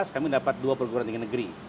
kami dapat dua perguruan tinggi negeri